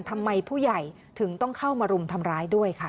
ทำไมผู้ใหญ่ถึงต้องเข้ามารุมทำร้ายด้วยค่ะ